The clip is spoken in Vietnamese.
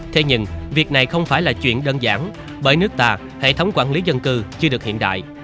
thế nhưng việc này không phải là chuyện đơn giản bởi nước ta hệ thống quản lý dân cư chưa được hiện đại